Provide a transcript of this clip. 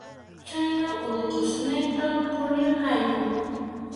Chhaynam Urqusninta puririrqayku.